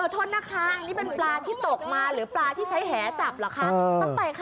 โทษนะคะอันนี้เป็นปลาที่ตกมาหรือปลาที่ใช้แหจับเหรอคะ